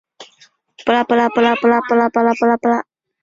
龙骨砂藓为紫萼藓科砂藓属下的一个种。